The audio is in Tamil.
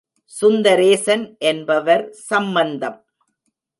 சுந்தரேசன் என்பவர், சம்பந்தம்!